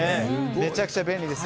めちゃくちゃ便利です。